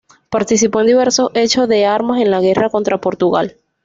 Participó en diversos hechos de armas en la guerra contra Portugal.